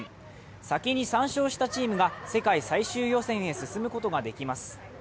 先に３勝したチームが世界最終予選へ進むことができます。